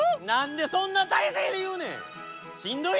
なんでそんなたいせいでいうねん！